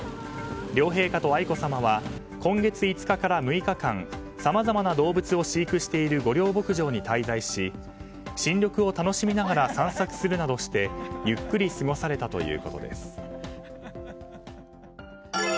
両陛下と愛子さまは今月５日から６日間さまざまな動物を飼育している御料牧場に滞在し新緑を楽しみながら散策するなどしてゆっくり過ごされたということです。